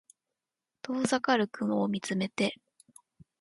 遠ざかる雲を見つめて